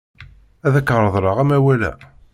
Ad ak-reḍleɣ amawal-a.